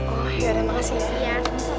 oh yaudah makasih ya